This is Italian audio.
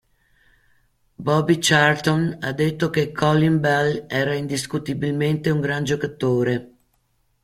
Bobby Charlton ha detto che "Colin Bell era indiscutibilmente un gran giocatore".